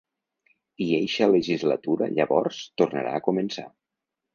I eixa legislatura, llavors, tornarà a començar.